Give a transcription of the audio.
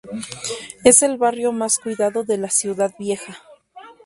Es el barrio más cuidado de la Ciudad Vieja.